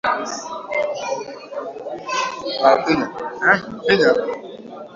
mkataba huu Ujerumani utakabidhi fuvu la Sultani Mkwawa iliyohamishwa kutoka Afrika ya Mashariki ya